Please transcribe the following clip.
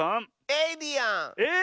エイリアン。